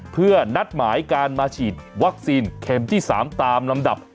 เพื่อนัดหมายการมาฉีดวัคซีนเข็มที่๓ตามลำดับ